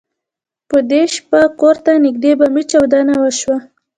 په دې شپه کور ته نږدې بمي چاودنه وشوه.